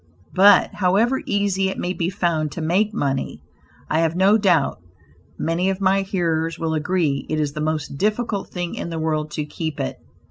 But however easy it may be found to make money, I have no doubt many of my hearers will agree it is the most difficult thing in the world to keep it.